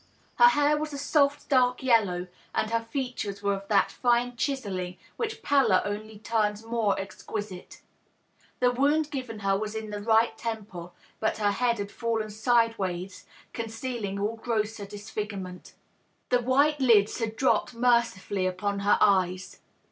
Her hair was a soft dark yellow, and her features were of that fine chiselling which pallor only turns more ex quisite. The wound given her was in the right temple, but her head had fallen sideways, concealing all grosser disfigurement. The white lids had dropped mercifully upon her eyes.